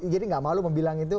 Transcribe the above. jadi nggak malu membilang itu